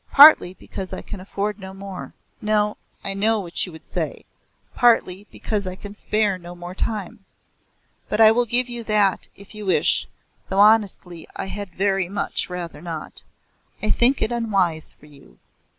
"Partly because I can afford no more. No! I know what you would say. Partly because I can spare no more time. But I will give you that, if you wish, though, honestly, I had very much rather not. I think it unwise for you.